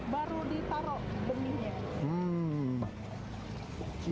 baru ditaruh benihnya